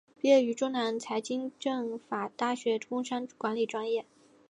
毕业于中南财经政法大学工商管理专业。